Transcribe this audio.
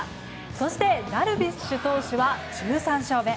そして、ダルビッシュ投手は１３勝目。